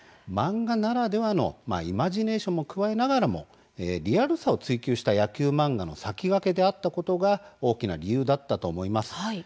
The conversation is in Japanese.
漫画ならではのイマジネーションを加えながらもリアルさを追求した野球漫画の先駆けであったことも大きな理由だったと思います。